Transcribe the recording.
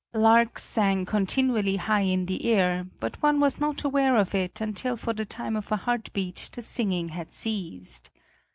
Larks sang continually high in the air, but one was not aware of it until for the time of a heartbeat the singing had ceased.